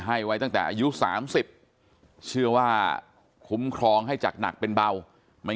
ให้ไว้ตั้งแต่อายุ๓๐เชื่อว่าคุ้มครองให้จากหนักเป็นเบาไม่